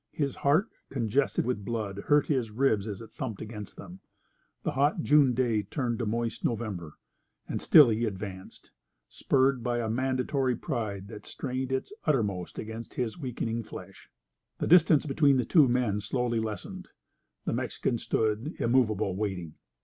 His heart, congested with blood, hurt his ribs as it thumped against them. The hot June day turned to moist November. And still he advanced, spurred by a mandatory pride that strained its uttermost against his weakling flesh. The distance between the two men slowly lessened. The Mexican stood, immovable, waiting.